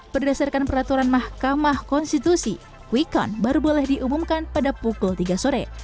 berdasarkan peraturan mahkamah konstitusi quick count baru boleh diumumkan pada pukul tiga sore